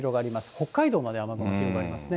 北海道まで雨雲が広がりますね。